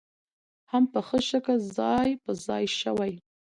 هم په ښه شکل ځاى په ځاى شوې